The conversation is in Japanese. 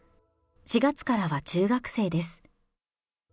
４月からは中学生です。